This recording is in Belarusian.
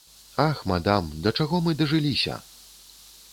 Ах, мадам, да чаго мы дажыліся?!